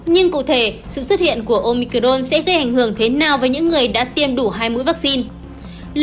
nhưng cụ thể sự xuất hiện của omicron sẽ gây ảnh hưởng thế nào với những người đã tiêm đủ hai mũi vaccine